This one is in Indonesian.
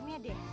aku bersihin ya